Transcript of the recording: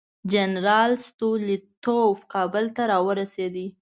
جنرال ستولیتوف کابل ته راورسېد.